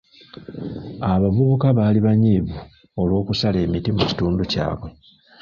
Abavubuka baali banyiivu olw'okusala emiti mu kitundu kyabwe.